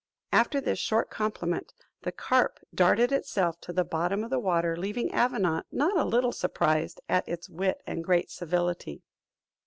After this short compliment, the carp darted itself to the bottom of the water, leaving Avenant not a little surprised at its wit and great civility.